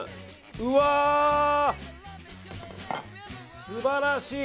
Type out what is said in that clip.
うわ、素晴らしい！